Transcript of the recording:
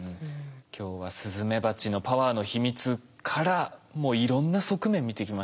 今日はスズメバチのパワーの秘密からいろんな側面見てきました。